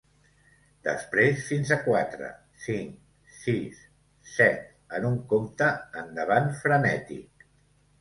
Després fins a quatre, cinc, sis, set, en un compte endavant frenètic.